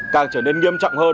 càng trở nên nghiêm trọng hơn